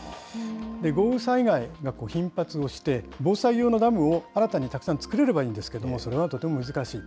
豪雨災害が頻発をして、防災用のダムを新たにたくさん造れればいいんですけれども、それはとても難しい。